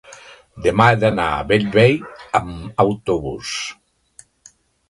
demà he d'anar a Bellvei amb autobús.